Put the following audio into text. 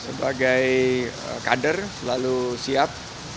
sebagai kader selalu siap